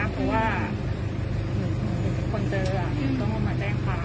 เพราะว่าหนูเป็นคนเจอต้องเอามาแจ้งความ